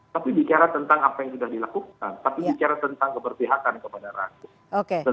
tapi bicara tentang apa yang sudah dilakukan tapi bicara tentang keberpihakan kepada rakyat